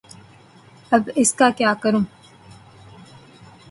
اب اس کا کیا کروں؟